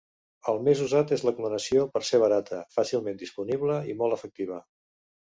El més usat és la cloració per ser barata, fàcilment disponible i molt efectiva.